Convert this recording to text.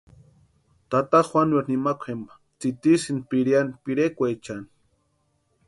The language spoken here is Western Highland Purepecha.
Tata Juanueri nimakwa jempa tsitisïnti pireani pirekwaechani.